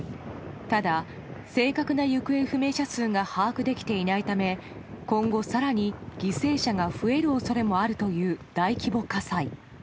ただ、正確な行方不明者数が把握できていないため今後、更に犠牲者が増える恐れもあるという大規模火災。